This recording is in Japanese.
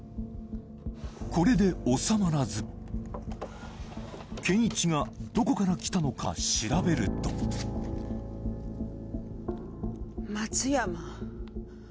これでおさまらず健一がどこから来たのか調べると松山